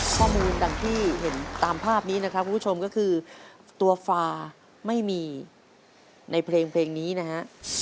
ข้อมูลดังที่เห็นตามภาพนี้นะครับคุณผู้ชมก็คือตัวฟาไม่มีในเพลงนี้นะฮะ